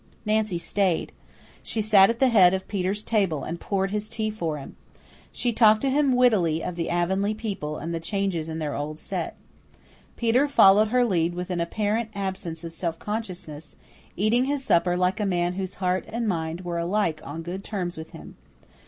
Nancy stayed. She sat at the head of Peter's table and poured his tea for him. She talked to him wittily of the Avonlea people and the changes in their old set. Peter followed her lead with an apparent absence of self consciousness, eating his supper like a man whose heart and mind were alike on good terms with him.